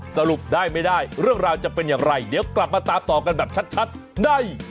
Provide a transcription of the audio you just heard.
สรุปได้ไม่ได้เรื่องราวจะเป็นอย่างไรเดี๋ยวกลับมาตามต่อกันแบบชัดใน